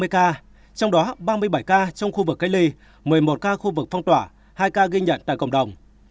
năm mươi ca trong đó ba mươi bảy ca trong khu vực cách ly một mươi một ca khu vực phong tỏa hai ca ghi nhận tại cộng đồng